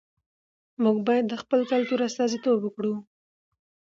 موږ بايد د خپل کلتور استازیتوب وکړو.